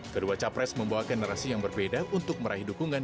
kedua capres membawakan narasi yang berbeda untuk meraih dukungan